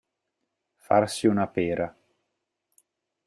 Farsi una pera.